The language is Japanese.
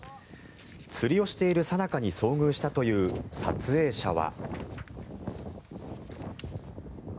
釣りをしているさなかに遭遇したという撮影者は。